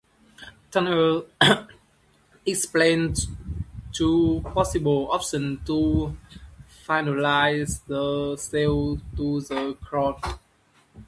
Tanner explained two possible options to finalize the sale to the "Krone".